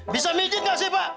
bisa bikin gak sih pak